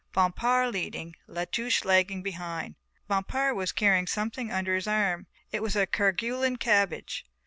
Bompard leading, La Touche lagging behind. Bompard was carrying something under his arm, it was a Kerguelen cabbage.